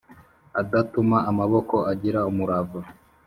adatuma amaboko agira umurava